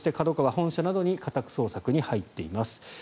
本社などに家宅捜索に入っています。